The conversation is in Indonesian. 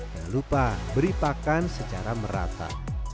jangan lupa beri pakan secara merata